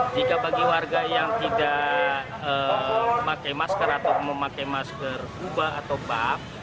jika bagi warga yang tidak pakai masker atau memakai masker kubah atau bab